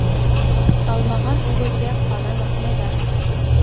Салмаған үгеҙгә ҡаҙан аҫмайҙар.